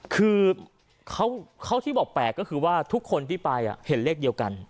คือเขาที่บอกแปลกก็คือว่าทุกคนที่ไปเห็นเลขเดียวกัน